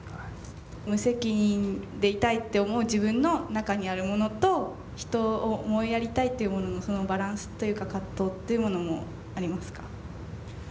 無責任でいたいって思う自分の中にあるものと人を思いやりたいというもののそのバランスというか葛藤っていうものもありますか？